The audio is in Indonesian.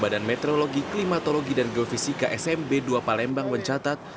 badan meteorologi klimatologi dan geofisika smb dua palembang mencatat